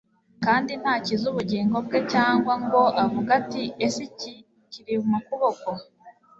kandi ntakiza ubugingo bwe cyangwa ngo avuge ati ese iki kiri mu kuboko